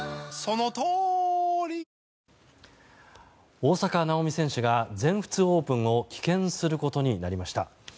大坂なおみ選手が全仏オープンを棄権することになりました。